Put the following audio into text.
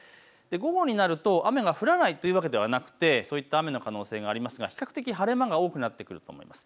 午後になると雨が降らないというわけではなくて、そういった雨の可能性がありますが比較的晴れ間が多くなってくると思います。